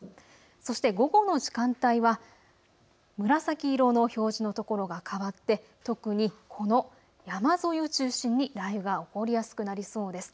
そして午後の時間帯は紫色の表示の所が変わって特にこの山沿いを中心に雷雨が起こりやすくなりそうです。